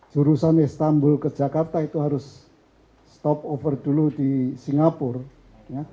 jurusan istanbul ke jakarta itu harus stop over dulu di singapura ya